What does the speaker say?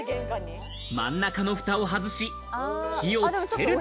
真ん中のふたを外し、火をつけると。